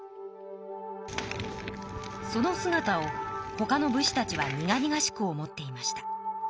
そのすがたをほかの武士たちは苦々しく思っていました。